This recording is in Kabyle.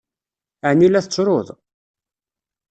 Ɛni la tettruḍ?